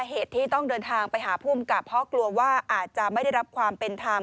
เหตุที่ต้องเดินทางไปหาภูมิกับเพราะกลัวว่าอาจจะไม่ได้รับความเป็นธรรม